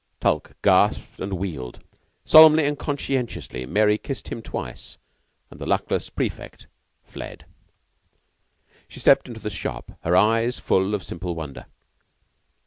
Tulke gasped and wheeled. Solemnly and conscientiously Mary kissed him twice, and the luckless prefect fled. She stepped into the shop, her eyes full of simple wonder.